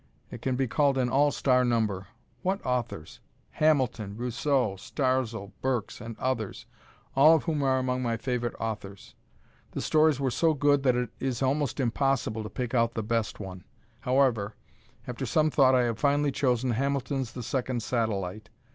It can be called an "all star" number. What authors! Hamilton, Rousseau, Starzl, Burks, and others, all of whom are among my favorite authors. The stories were so good that it is almost impossible to pick out the best one. However, after some thought I have finally chosen Hamilton's "The Second Satellite."